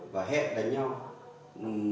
và hẹn đánh nhau